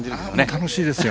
楽しいですよ。